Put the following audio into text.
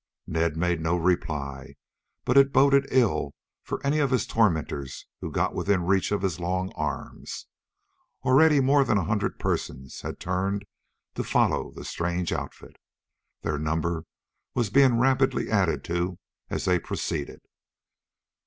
Ned made no reply, but it boded ill for any of his tormentors who got within reach of his long arms. Already more than a hundred persons had turned to follow the strange outfit. This number was being rapidly added to as they proceeded.